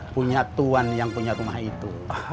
punya tuan yang punya rumah itu